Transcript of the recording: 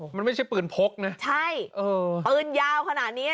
มันไม่ใช่ปืนพกนะใช่ปืนยาวขนาดนี้